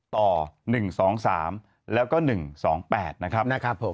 ๐๒๔๑๙๘๐๘๑ต่อ๑๒๓แล้วก็๑๒๘นะครับ